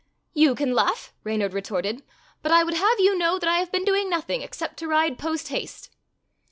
"You can laugh," Reynard retorted, "but I would have you know that I have been doing nothing except to ride post haste."